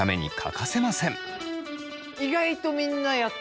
意外とみんなやってない！